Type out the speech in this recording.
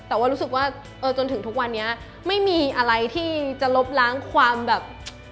แต่ว่ารู้สึกว่าจนถึงทุกวันนี้ไม่มีอะไรที่จะลบล้างความแบบ